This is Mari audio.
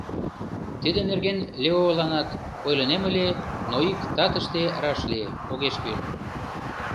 Тидын нерген Леоланат ойлынем ыле, но ик татыште раш лие – огеш кӱл.